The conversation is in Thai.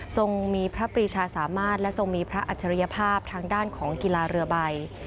ทรงมีพระปรีชาสามารถและทรงมีพระอัจฉริยภาพทางด้านของกีฬาเรือใบ